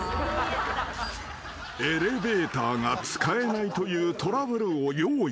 ［エレベーターが使えないというトラブルを用意］